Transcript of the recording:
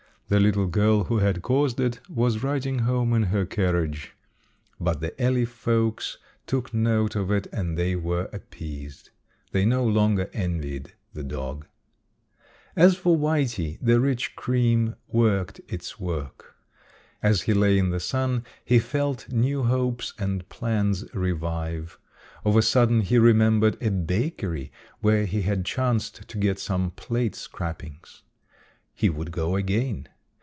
The little girl who had caused it was riding home in her carriage, but the alley folks took note of it and they were appeased. They no longer envied the dog. As for Whitey, the rich cream worked its work. As he lay in the sun he felt new hopes and plans revive. Of a sudden he remembered a bakery where he had chanced to get some plate scrapings. He would go again.